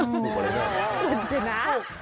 เหมือนจุดน้ำ